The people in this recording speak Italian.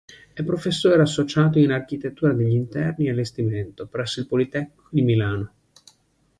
È professore associato in Architettura degli Interni e Allestimento, presso il Politecnico di Milano.